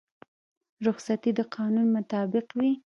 رخصتي د قانون مطابق وي